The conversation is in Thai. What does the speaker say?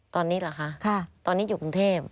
ตอนนี้เหรอคะตอนนี้อยู่กรุงเทพ